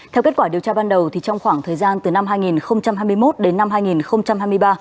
theo kết quả điều tra ban đầu trong khoảng thời gian từ năm hai nghìn hai mươi một đến năm hai nghìn hai mươi ba